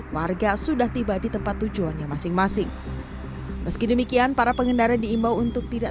warga sudah tiba di tempat tujuannya masing masing meski demikian para pengendara diimbau untuk tidak